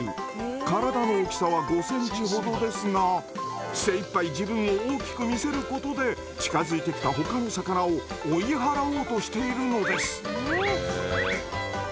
体の大きさは５ｃｍほどですが精いっぱい自分を大きく見せることで近づいてきた他の魚を追い払おうとしているのです。